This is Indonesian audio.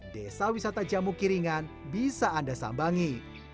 desa wisata jamu kiringan bisa anda sambangi